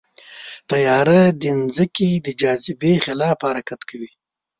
طیاره د ځمکې د جاذبې خلاف حرکت کوي.